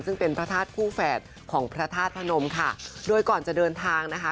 ซึ่งเป็นพระธาตุคู่แฝดของพระธาตุพนมค่ะโดยก่อนจะเดินทางนะคะ